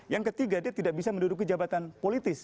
yang ketiga dia tidak bisa menduduki jabatan politis